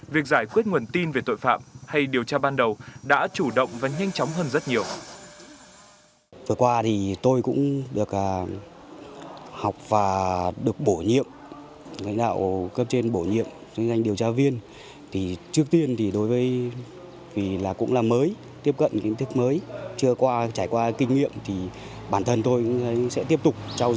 việc giải quyết nguồn tin về tội phạm hay điều tra ban đầu đã chủ động và nhanh chóng hơn rất nhiều